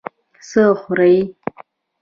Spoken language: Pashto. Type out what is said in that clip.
څه خوړې؟